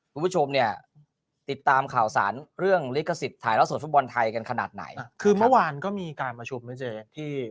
คุณผู้ชมเนี่ยติดตามข่าวสารเรื่องลิขสิทธิ์ถ่ายแล้วส่วนฟุตบอลไทยกันขนาดไหนคือเมื่อวานก็มีการประชุมนะเจ๊ที่